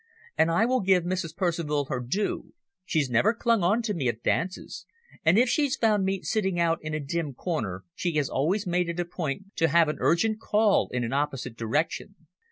"And I will give Mrs. Percival her due, she's never clung on to me at dances, and if she's found me sitting out in a dim corner she has always made it a point to have an urgent call in an opposite direction.